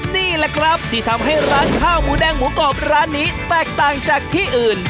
นี่แหละครับที่ทำให้ร้านข้าวหมูแดงหมูกรอบร้านนี้แตกต่างจากที่อื่น